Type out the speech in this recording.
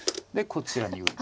でこちらに。